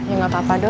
ya gak apa apa dok